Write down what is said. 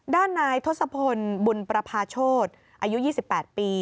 ด้านนายทศพลบุญประพาโชธอายุ๒๘ปี